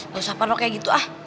gak usah pano kayak gitu ah